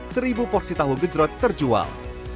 seribu porsi tahu gejrot terjual